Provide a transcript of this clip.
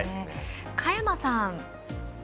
佳山さん。